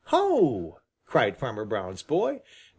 "Ho!" cried Farmer Brown's boy.